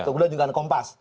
kemudian juga ada kompas